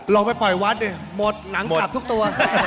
ลองไปปล่อยวัดดิหมดหนังสับทุกตัว